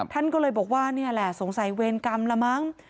ท่านก็เลยบอกว่านี่แหละสงสัยเวรกรรมละมั้ง